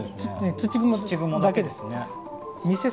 土蜘蛛だけです。